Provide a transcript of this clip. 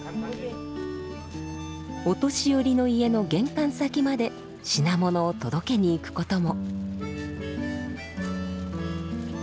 お年寄りの家の玄関先まで品物を届けに行くことも。